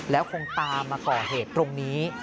แล้วคงตามมาก่อเหตุตรงนี้